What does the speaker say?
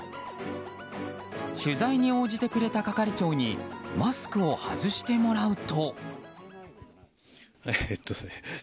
取材に応じてくれた係長にマスクを外してもらうと。